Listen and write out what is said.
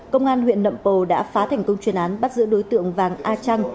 công an huyện nậm pồ đã phá thành công chuyên án bắt giữ đối tượng vàng a trăng